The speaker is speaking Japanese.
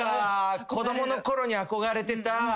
子供のころに憧れてた。